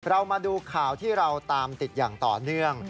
มาดูข่าวที่เราตามติดอย่างต่อเนื่อง